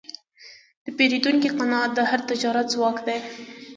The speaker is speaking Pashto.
د پیرودونکي قناعت د هر تجارت ځواک دی.